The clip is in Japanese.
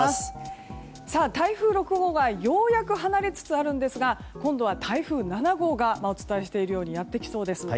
台風６号がようやく離れつつあるんですが今度は台風７号がお伝えしているようにやってきそうです。